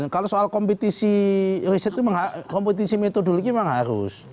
kalau soal kompetisi riset itu kompetisi metodologi memang harus